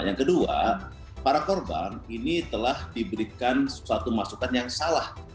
yang kedua para korban ini telah diberikan suatu masukan yang salah